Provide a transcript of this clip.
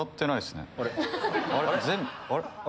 あれ？